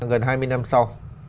gần hai mươi năm sau